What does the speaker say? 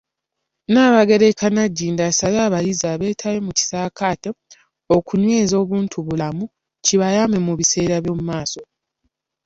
Nnaabagereka Nagginda asabye abayizi abeetabye mu kisaakaate okunyweza obuntubulamu, kibayambe mu biseera byomumaaso.